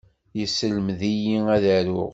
Yesselmed-iyi ad aruɣ.